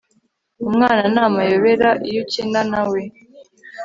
Umwana ni amayobera iyo ukina nawe